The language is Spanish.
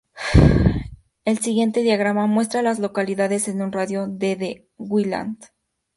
El siguiente diagrama muestra a las localidades en un radio de de Wayland.